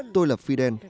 tôi là fidel